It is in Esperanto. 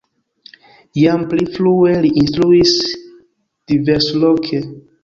Jam pli frue li instruis diversloke.